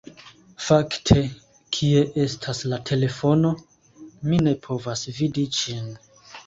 Fakte, kie estas la telefono? Mi ne povas vidi ĝin.